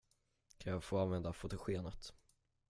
Kan jag använda fotogenet?